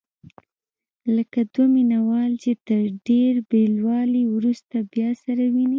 لکه دوه مینه وال چې تر ډېر بېلوالي وروسته بیا سره ویني.